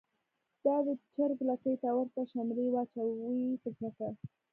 دا د چر ګ لکۍ ته ورته شملی واچوی په ځمکه